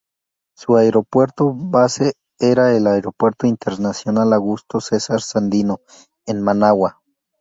Su aeropuerto base era el Aeropuerto Internacional Augusto Cesar Sandino, en Managua.